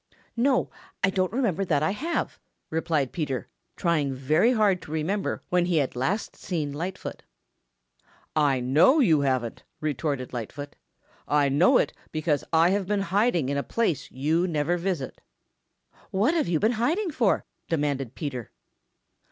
"No, I don't remember that I have," replied Peter, trying very hard to remember when he had last seen Lightfoot. "I know you haven't," retorted Lightfoot. "I know it because I have been hiding in a place you never visit." "What have you been hiding for?" demanded Peter.